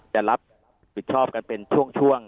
จะรับผิดชอบกันเป็นช่วง